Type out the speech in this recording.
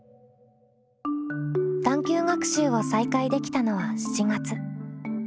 探究学習を再開できたのは７月。